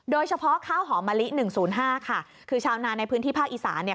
โดยเฉพาะข้าวหอมะลิ๑๐๕ค่ะคือชาวนานในพื้นที่ภาคอีสาเนี่ย